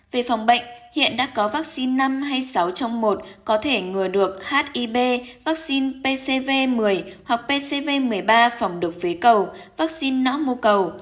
về phòng bệnh hiện đã có vaccine năm hay sáu trong một có thể ngừa được hiv vaccine pcv một mươi hoặc pcv một mươi ba phòng được phế cầu vaccine não mô cầu